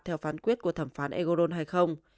theo phán quyết của thẩm phán egoron hay không